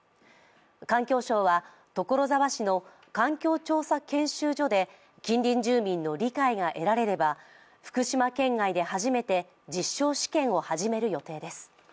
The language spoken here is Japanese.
環境省は所沢市の環境調査研修所で近隣住民の理解が得られれば福島県外で初めて実証試験を始める予定です。